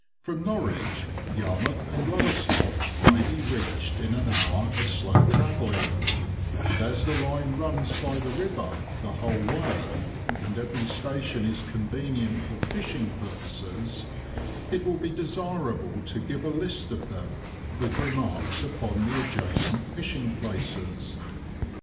From Norwich, Yarmouth and Lowestoft may be reached in an hour of slow travelling, and as the line runs by the river the whole way, and every station is convenient for fishing purposes, it will be desirable to give a list of them, with remarks upon the adjacent fishing places.